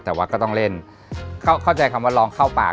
แต่ว่าก็ต้องเล่น